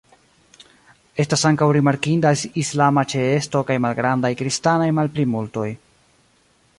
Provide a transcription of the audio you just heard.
Estas ankaŭ rimarkinda islama ĉeesto kaj malgrandaj kristanaj malplimultoj.